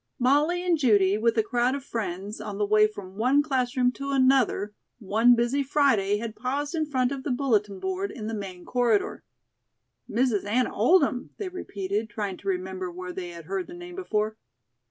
Molly and Judy, with a crowd of friends, on the way from one classroom to another one busy Friday had paused in front of the bulletin board in the main corridor. "Mrs. Anna Oldham?" they repeated, trying to remember where they had heard the name before.